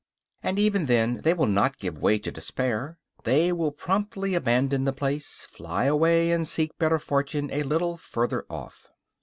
And even then they will not give way to despair; they will promptly abandon the place, fly away and seek better fortune a little further off.